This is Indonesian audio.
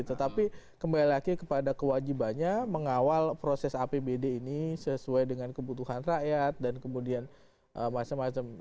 tetapi kembali lagi kepada kewajibannya mengawal proses apbd ini sesuai dengan kebutuhan rakyat dan kemudian macam macam